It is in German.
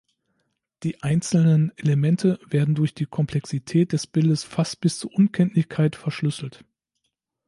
Die einzelnen Elemente werden durch die Komplexität des Bildes fast bis zur Unkenntlichkeit verschlüsselt.